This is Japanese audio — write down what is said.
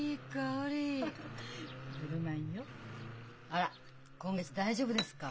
あら今月大丈夫ですか？